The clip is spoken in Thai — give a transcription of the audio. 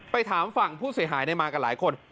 ถามฝั่งผู้เสียหายมากับหลายคน